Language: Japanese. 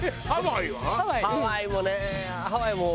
ハワイもねハワイも。